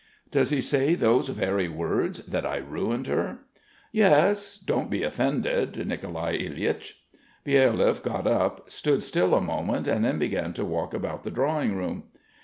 "Does he say those very words: that I ruined her?" "Yes. Don't be offended, Nicolai Ilyich!" Byelyaev got up, stood still a moment, and then began to walk about the drawing room.